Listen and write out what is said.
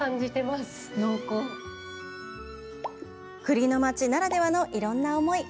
栗の町ならではのいろんな思い。